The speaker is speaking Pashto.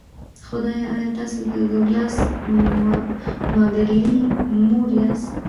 خدایه ایا تاسو د ډګلاس مابرلي مور یاست